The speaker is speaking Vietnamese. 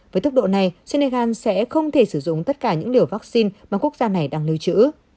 với tốc độ này senegal sẽ không thể sử dụng tất cả những liều vaccine mà quốc gia này đang lưu trữ